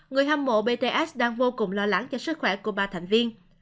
người hâm mộ bts đang vô cùng lo lắng cho sức khỏe của ba thành viên